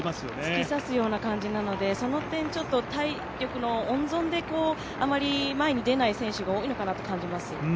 突き刺すような感じなので、その点、体力の温存であまり前に出ない選手が多いのかなと感じます。